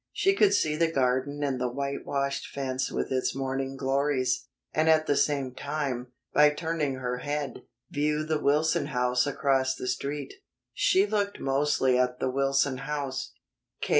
She could see the garden and the whitewashed fence with its morning glories, and at the same time, by turning her head, view the Wilson house across the Street. She looked mostly at the Wilson house.